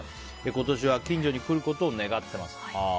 今年は近所に来ることを願っています。